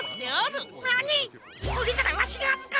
それならわしがあずかる！